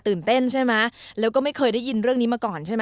เต้นใช่ไหมแล้วก็ไม่เคยได้ยินเรื่องนี้มาก่อนใช่ไหม